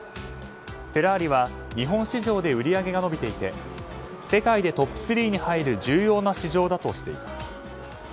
フェラーリは日本市場で売り上げが伸びていて世界でトップ３に入る重要な市場だとしています。